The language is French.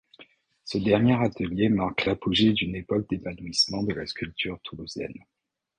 Ce dernier atelier marque l'apogée d'une époque d'épanouissement de la sculpture toulousaine.